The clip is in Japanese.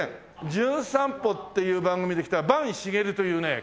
『じゅん散歩』っていう番組で来た坂茂というね建築家なんですよ。